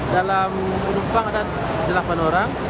dalam penumpang ada delapan orang